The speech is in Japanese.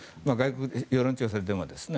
世論調査でもですね。